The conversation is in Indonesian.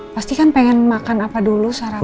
pasti kan pengen makan apa dulu sarapan